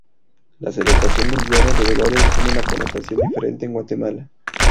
La celebración del Viernes de Dolores tiene una connotación diferente en Guatemala.